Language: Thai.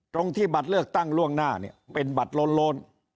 ตรงที่บัตรเลือกตั้งล่วงหน้าเป็นบัตรโลน